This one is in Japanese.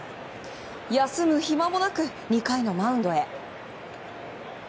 休む暇もなく２回のマウンドへ。